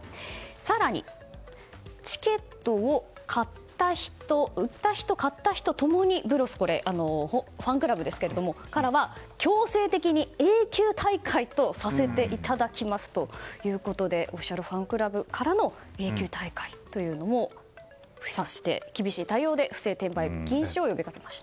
更に、チケットを売った人、買った人共にＢＲＯＳ．ファンクラブですがＢＲＯＳ．からは強制的に永久退会とさせていただきますということでオフィシャルファンクラブからの永久退会というのもさせて厳しい対応で不正転売の禁止を呼びかけました。